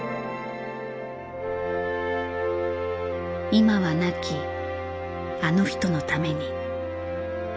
今は亡きあの人のために。